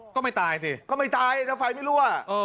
ก็ไม่ตายสิก็ไม่ตายถ้าไฟไม่รั่ว